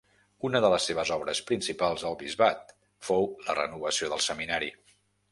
Una de les seves obres principals al bisbat fou la renovació del Seminari.